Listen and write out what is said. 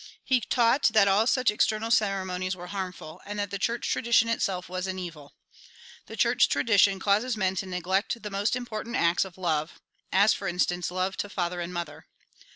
He taught that all such external ceremonies were harmful, and that the church tradition itself was an evil. The church tradition causes men to neglect the most important acts of love, as for instance, love to father and mother.